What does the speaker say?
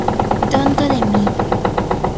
Tonto de mí.